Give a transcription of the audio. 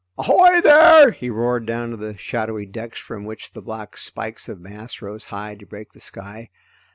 Ahoy there!" he roared down to the shadowy decks from which the black spikes of masts rose high to break the sky.